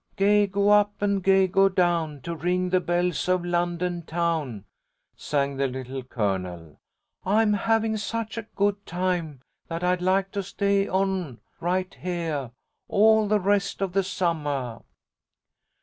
"'Gay go up and gay go down To ring the bells of London town," sang the Little Colonel. "I am having such a good time that I'd like to stay on right heah all the rest of the summah."